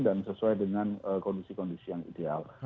sesuai dengan kondisi kondisi yang ideal